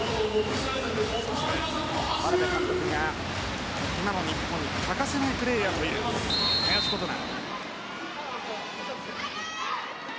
眞鍋監督が、今の日本に欠かせないプレーヤーという林琴奈。